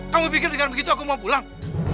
kamu pikir dengan begitu aku mau pulang